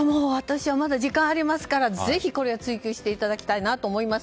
まだ時間がありますからぜひこれは追及していただきたいと思います